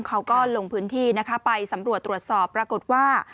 เขาก็ลงพื้นที่นะคะไปสำรวจตรวจสอบปรากฏว่า